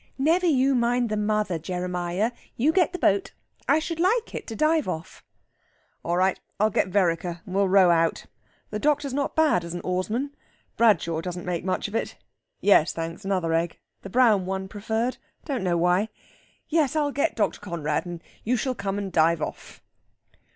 "Never you mind the mother, Jeremiah. You get the boat. I should like it to dive off." "All right, I'll get Vereker, and we'll row out. The doctor's not bad as an oarsman. Bradshaw doesn't make much of it. (Yes, thanks; another egg. The brown one preferred; don't know why!) Yes, I'll get Dr. Conrad, and you shall come and dive off."